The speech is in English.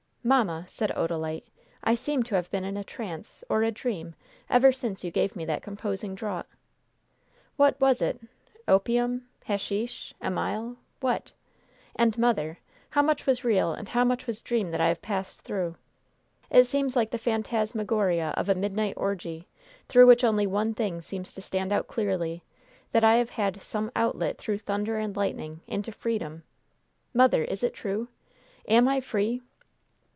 "Mamma," said Odalite, "I seem to have been in a trance, or a dream, ever since you gave me that composing draught! What was it opium, hasheesh, amyle what? And, mother, how much was real and how much was dream that I have passed through? It seems like the phantasmagoria of a midnight orgie through which only one thing seems to stand out clearly that I have had 'some outlet through thunder and lightning' into freedom! Mother, is it true? Am I free?"